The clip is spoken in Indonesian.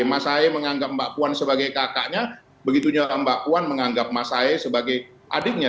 mbak puan menganggap mas ahy sebagai kakaknya begitunya mbak puan menganggap mas ahy sebagai adiknya